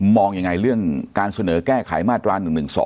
ยังไงเรื่องการเสนอแก้ไขมาตรา๑๑๒